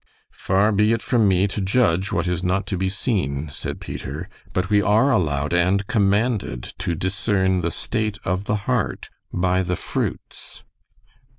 "Far be it from me to judge what is not to be seen," said Peter. "But we are allowed and commanded to discern the state of the heart by the fruits."